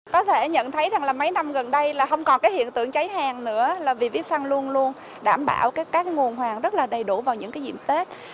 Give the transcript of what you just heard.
có thể nhận thấy là mấy năm gần đây là không còn cái hiện tượng cháy hàng nữa là vì visa luôn luôn đảm bảo các nguồn hoàng rất là đầy đủ vào những cái diễm tết